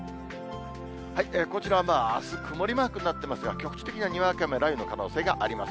こちらは、あす曇りマークになってますが、局地的なにわか雨、雷雨の可能性があります。